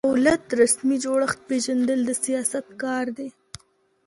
د دولت رسمي جوړښت پېژندل د سیاست کار دی.